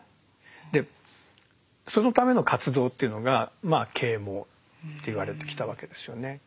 でそのための活動というのが啓蒙っていわれてきたわけですよね。